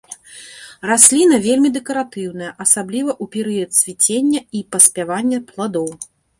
Расліна вельмі дэкаратыўная, асабліва ў перыяд цвіцення і паспявання пладоў.